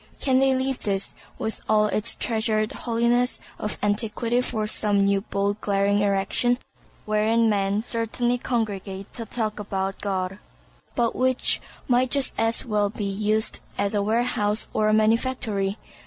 Can they leave this, with all its treasured holiness of antiquity for some new bold glaring erection, wherein men certainly congregate ta talk about God, but which might just as well be used as a warehouse or a manufactory?